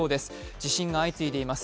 地震が相次いでいます。